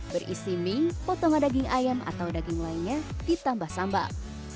berisi mie potongan daging ayam atau daging lainnya ditambah sambal